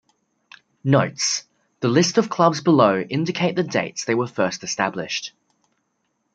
Notes:The list of clubs below indicate the dates they were first established.